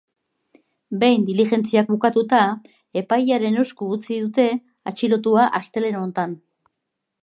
Behin diligentziak bukatuta, epailearen esku utzi dute atxilotua astelehen honetan.